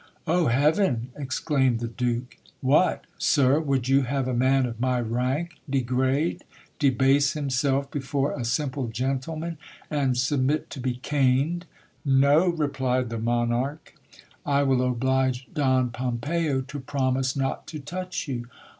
Oh heaven ! exclaimed the Duke : what ! sir, would you have a man of my rank degrade, debase himself before a simple gentleman, and submit to be caned ! No, replied the monarch, I will oblige Don Pompeyo to promise not to touch you.